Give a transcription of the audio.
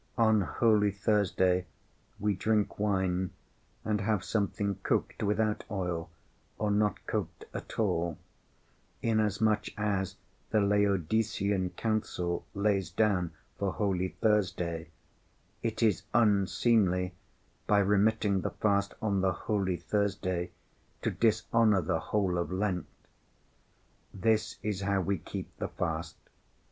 On Holy Thursday we drink wine and have something cooked without oil or not cooked at all, inasmuch as the Laodicean council lays down for Holy Thursday: 'It is unseemly by remitting the fast on the Holy Thursday to dishonor the whole of Lent!' This is how we keep the fast.